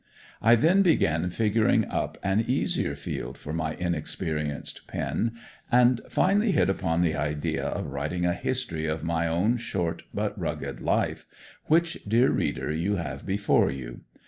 I then began figuring up an easier field for my inexperienced pen, and finally hit upon the idea of writing a history of my own short, but rugged life, which dear reader you have before you.